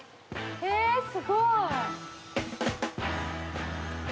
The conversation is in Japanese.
えすごい。